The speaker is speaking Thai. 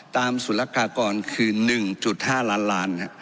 ตามสุรกากรคือ๑๕ล้านล้านครับ